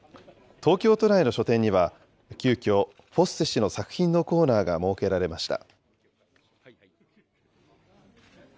東京都内の書店には、急きょ、フォッセ氏の作品のコーナーが設けられました。